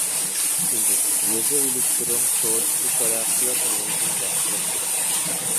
ئىككىنچى، يېزا ئېلېكتىرون سودىسى تەرەققىيات مۇھىتىنى ياخشىلاش كېرەك.